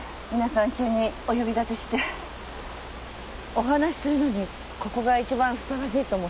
お話しするのにここが一番ふさわしいと思って。